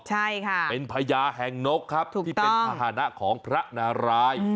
ใช่ค่ะเป็นพญาแห่งนกครับที่เป็นภาษณะของพระนาราย